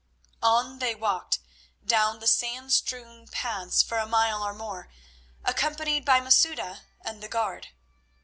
On they walked, down the sand strewn paths for a mile or more, accompanied by Masouda and the guard.